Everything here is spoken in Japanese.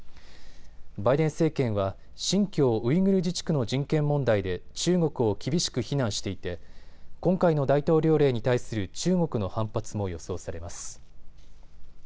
バイデン政権は新疆ウイグル自治区の人権問題で中国を厳しく非難していて今回の大統領令に対する中国の反発も予想されます。